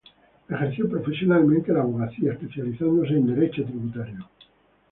Ejerció profesionalmente la abogacía, especializándose en Derecho Tributario.